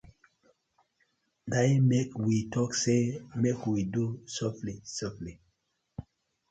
Na im mek we tok say mek we do sofly sofly.